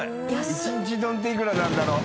一日丼っていくらなんだろう？